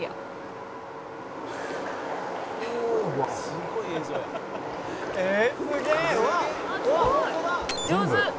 「すごい！上手」